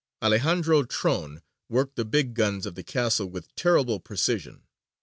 Alexandro Tron worked the big guns of the castle with terrible precision.